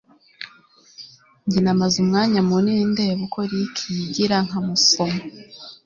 njye namaze umwanya munini ndeba uko Ricky yigira nkamusoma